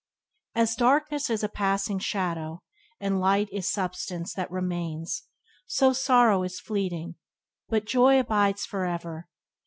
As darkness is a passing shadow, and light is substance that remains, so sorrow is fleeting, but joy abides forever.